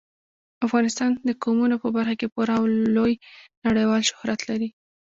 افغانستان د قومونه په برخه کې پوره او لوی نړیوال شهرت لري.